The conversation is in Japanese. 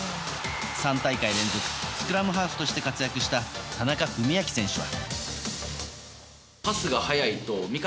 ３大会連続スクラムハーフとして活躍された田中史朗選手は。